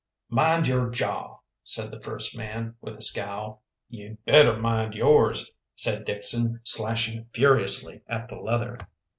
"Mind your jaw," said the first man, with a scowl. "You'd better mind yours," said Dixon, slashing furiously at the leather.